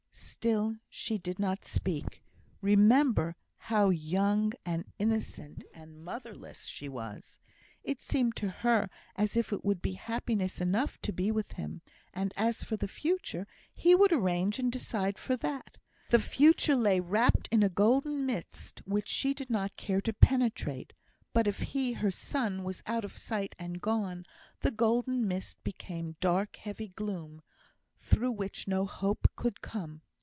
Still she did not speak. Remember how young, and innocent, and motherless she was! It seemed to her as if it would be happiness enough to be with him; and as for the future, he would arrange and decide for that. The future lay wrapped in a golden mist, which she did not care to penetrate; but if he, her sun, was out of sight and gone, the golden mist became dark heavy gloom, through which no hope could come.